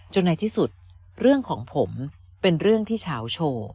ในที่สุดเรื่องของผมเป็นเรื่องที่เฉาโชว์